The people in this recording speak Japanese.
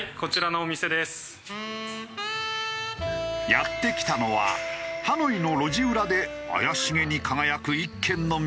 やって来たのはハノイの路地裏で怪しげに輝く１軒の店。